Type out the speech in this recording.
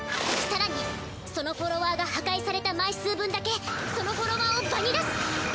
更にそのフォロワーが破壊された枚数分だけそのフォロワーを場に出す。